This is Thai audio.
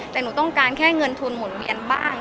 แต่หนูต้องการแค่เงินทุนหมุนเวียนบ้าง